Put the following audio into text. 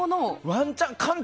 ワンチャン、館長